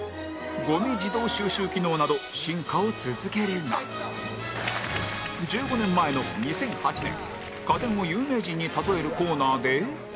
ゴミ自動収集機能など進化を続けるが１５年前の２００８年家電を有名人に例えるコーナーで